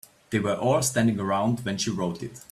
They were all standing around when she wrote it.